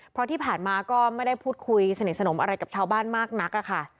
เพราะที่ผ่านมาก็ไม่ได้พูดคุยสนิทสนมอะไรกับชาวบ้านมากนักค่ะ